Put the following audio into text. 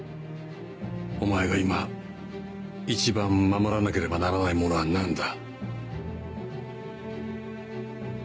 お前が今一番守らなければならないものは何だ？